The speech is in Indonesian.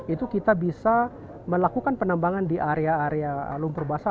itu kita bisa melakukan penambangan di area area lumpur basah